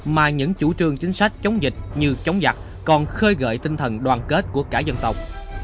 mà những chủ trương chính sách chống dịch như chống giặc còn khơi gợi tinh thần đoàn kết của cả dân tộc